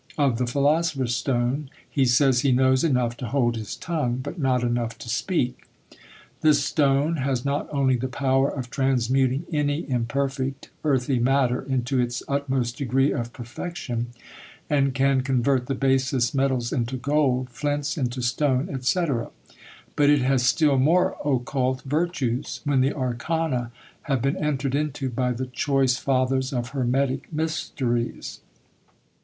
Of the philosopher's stone, he says he knows enough to hold his tongue, but not enough to speak. This stone has not only the power of transmuting any imperfect earthy matter into its utmost degree of perfection, and can convert the basest metals into gold, flints into stone, &c. but it has still more occult virtues, when the arcana have been entered into by the choice fathers of hermetic mysteries.